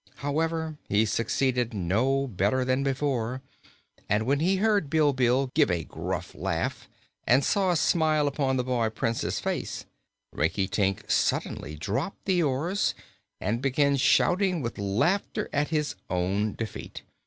However, he succeeded no better than before and when he heard Bilbil give a gruff laugh and saw a smile upon the boy Prince's face, Rinkitink suddenly dropped the oars and began shouting with laughter at his own defeat.